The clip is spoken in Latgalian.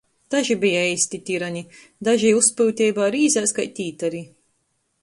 Daži beja eisti tirani, daži uzpyuteibā rīzēs kai tītari.